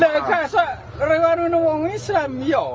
berjalan ke kabupaten kertama